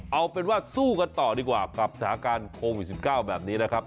เอาเป็นว่าสู้กันต่อดีกว่ากับสถานการณ์โควิด๑๙แบบนี้นะครับ